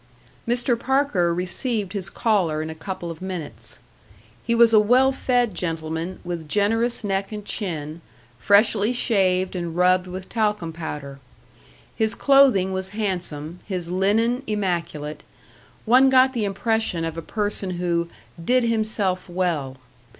Mr. Parker received his caller in a couple of minutes. He was a well fed gentleman with generous neck and chin, freshly shaved and rubbed with talcum powder. His clothing was handsome, his linen immaculate; one got the impression of a person who "did himself well."